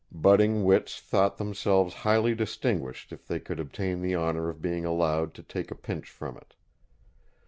Budding wits thought themselves highly distinguished if they could obtain the honour of being allowed to take a pinch from it.